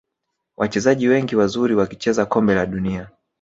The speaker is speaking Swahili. wachezaji wengi wazuri wakicheza kombe la dunia